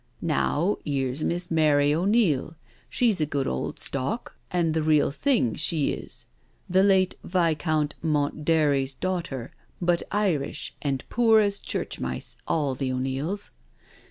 Now 'ere's Miss Mary O'Neil, she's a good old stock and the real thing, she is — the late Viscount Mont derry's daughter, but Irish and poor as church mice all the O 'Neils.